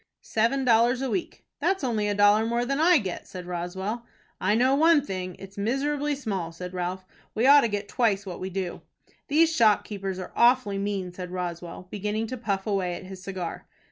"Seven dollars a week." "That's only a dollar more than I get," said Roswell. "I know one thing, it's miserably small," said Ralph. "We ought to get twice what we do." "These shop keepers are awfully mean," said Roswell, beginning to puff away at his cigar.